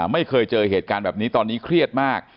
ไม่เคยเจอเหตุการณ์แบบนี้ตอนนี้เครียดมาก